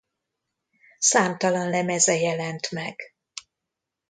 Számtalan lemeze jelent meg.